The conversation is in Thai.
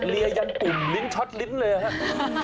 เหรียญทุ่นลิ้นช็อตริ๊ดเลยฮะ